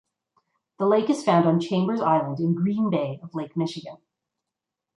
The lake is found on Chambers Island in Green Bay of Lake Michigan.